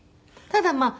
ただまあ